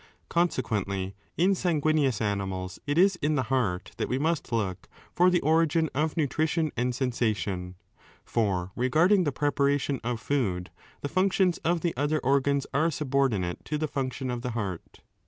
Consequently, in sanguineous animals it is 7 in the heart that we must look for the origin of nutrition and sensation. For regarding the preparation of food, the functions of the other organs are subordinate to the function of the heart.